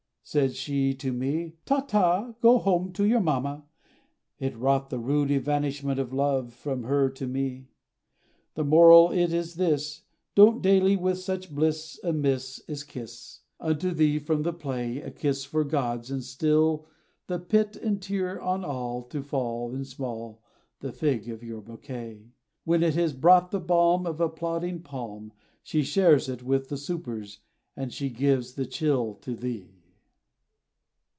Said she to me "ta ta! Go home to your mamma!" It wrought the rude evanishment Of love of her from me! The moral it is this, Don't dally with such bliss, A miss, Is kiss Unto thee from the play, A kiss for gods, and stall, The pit, and tier, on all To fall And small The fig, for your bouquet, When it has brought the balm, Of the applauding palm, She shares it with the supers, and She gives the chill to thee!